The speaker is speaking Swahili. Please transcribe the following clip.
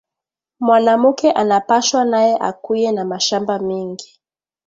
Mwanamuke ana pashwa naye akuye na mashamba mingi